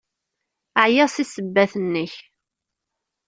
Ɛyiɣ seg ssebbat-nnek!